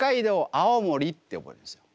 青森って覚えるんですよ。